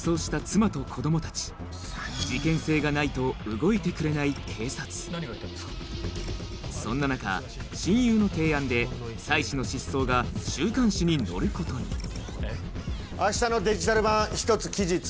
事件性がないとそんな中親友の提案で妻子の失踪が週刊誌に載ることに明日のデジタル版１つ記事追加するぞ。